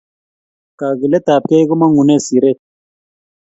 Kakilet tab gei komangune siret